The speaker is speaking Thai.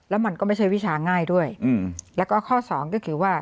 แล้วมันก็ไม่ใช่วิชาง่ายด้วยอืมแล้วก็ข้อสองก็คือว่า